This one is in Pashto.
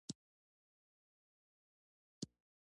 د اود پولو ته له رسېدلو سره.